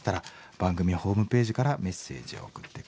番組ホームページからメッセージを送って下さい。